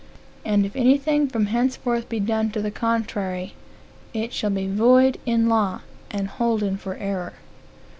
And if anything from henceforth be done to the contrary, it shall be void in law, and holden for error."